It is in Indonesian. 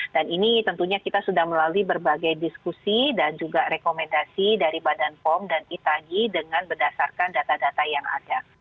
dan ini tentunya kita sudah melalui berbagai diskusi dan juga rekomendasi dari badan pom dan itagi dengan berdasarkan data data yang ada